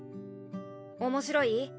面白い？